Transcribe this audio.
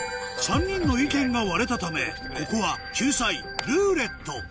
３人の意見が割れたためここは救済「ルーレット」